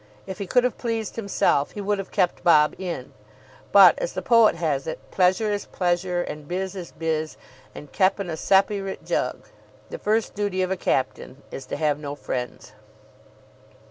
If he could have pleased himself, he would have kept Bob In. But, as the poet has it, "Pleasure is pleasure, and biz is biz, and kep' in a sepyrit jug." The first duty of a captain is to have no friends.